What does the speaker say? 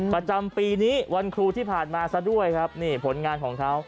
ประจำปีนี้วันครูที่ผ่านมาซะด้วยครับนี่ผลงานของเขา